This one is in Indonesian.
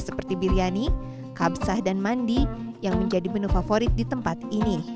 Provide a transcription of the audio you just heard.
seperti biryani kabsah dan mandi yang menjadi menu favorit di tempat ini